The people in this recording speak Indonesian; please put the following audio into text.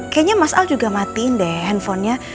kayaknya mas al juga matiin deh handphonenya